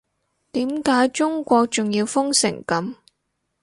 點解中國仲要封成噉